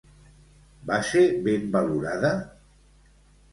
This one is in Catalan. Va ser ben valorada?